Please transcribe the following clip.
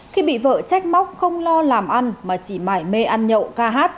khi bị vợ trách không lo làm ăn mà chỉ mải mê ăn nhậu ca hát